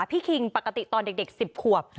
คิงปกติตอนเด็ก๑๐ขวบ